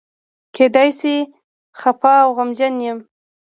کېدای شي خپه او غمجن یم.